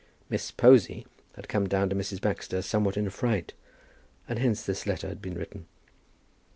"Miss Posy" had come down to Mrs. Baxter somewhat in a fright, and hence this letter had been written.